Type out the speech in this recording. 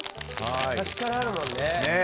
昔からあるもんね